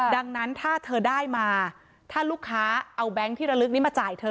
ดังนั้นถ้าเธอได้มาถ้าลูกค้าเอาแบงค์ที่ระลึกนี้มาจ่ายเธอ